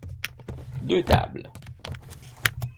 Deux tables.